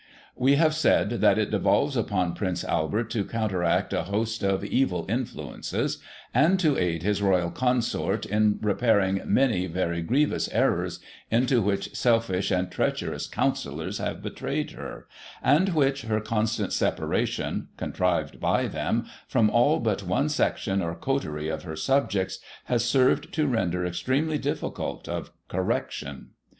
"We have said that it devolves upon Prince Albert to counteract a host of * evil influences,* and to aid his Royal Consort in repairing * many very grievous errors * into which selfish and treacherous counsellors have betrayed her, and which her constant separation (contrived by them) from all but one section, or coterie of her subjects, has served to render extremely difficult ot correction.